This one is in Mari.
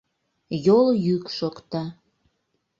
Йол йӱк шокта.